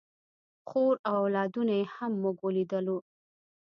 خور او اولادونه یې هم موږ ولیدل.